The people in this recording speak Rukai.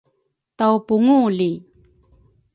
Tawpungu li